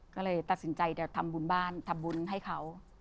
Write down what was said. ก็เลยตัดสินใจจะทำบุญบ้านทำบุญให้เขา